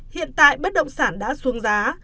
hiện tại bất động sản đã xuống giá